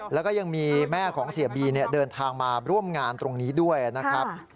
แล้วก็ยังมีแม่ของเสียบีเดินทางมาร่วมงานตรงนี้ด้วยนะครับ